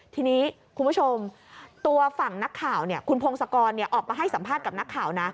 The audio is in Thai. ทีนี้คุณผู้ชมตัวฝั่งนักข่าวคุณพงศกรออกมาให้สัมภาษณ์กับนักข่าวนะ